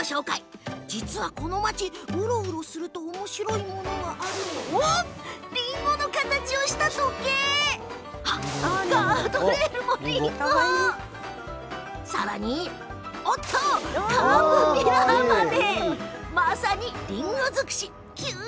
実は、この町、うろうろするとおもしろいものがりんごの形をした時計ガードレールも、りんごさらに、カーブミラーまでまさに、りんご尽くし。